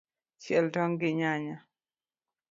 Chiel tong’ gi nyanya.